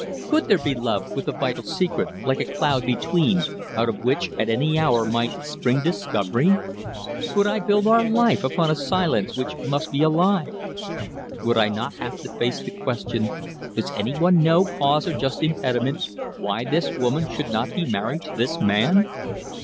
Could there be love with a vital secret, like, a cloud between, out of which, at any hour, might spring discovery? Could I build our life upon a silence which must be a lie? Would I not have to face the question, Does any one know cause or just impediment why this woman should not be married to this man?